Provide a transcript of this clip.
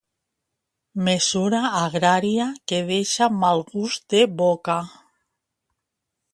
Mesura agrària que deixa mal gust de boca.